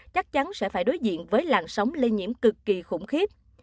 chắc chắn sẽ phải đối diện với làn sóng lây nhiễm cực kỳ khủng khiếp